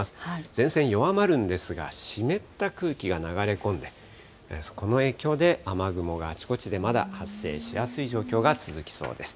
前線弱まるんですが、湿った空気が流れ込んで、この影響で、雨雲があちこちでまだ発生しやすい状況が続きそうです。